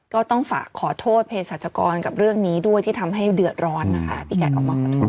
ก็ต้องฝากขอโทษเพศรัชกรกับเรื่องนี้ด้วยที่ทำให้เดือดร้อนนะคะพี่กัดออกมาขอโทษ